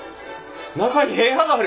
中に部屋がある！